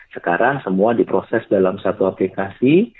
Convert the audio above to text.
sekarang semua diproses dalam satu aplikasi